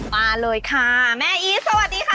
มาเลยค่ะแม่อีทสวัสดีค่ะ